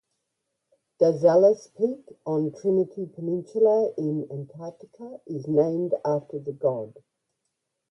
Darzalas Peak on Trinity Peninsula in Antarctica is named after the god.